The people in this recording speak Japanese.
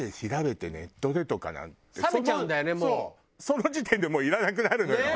その時点でもういらなくなるのよ。